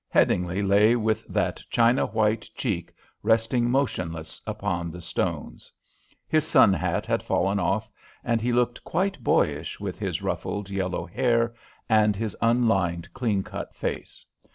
Headingly lay with that china white cheek resting motionless upon the stones. His sun hat had fallen off, and he looked quite boyish with his ruffled yellow hair and his unlined, clean cut face.